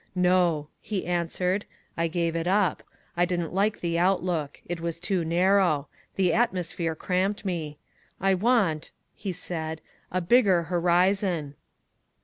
"No," he answered. "I gave it up. I didn't like the outlook. It was too narrow. The atmosphere cramped me. I want," he said, "a bigger horizon."